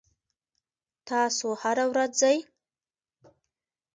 تاسو هره ورځ ځئ؟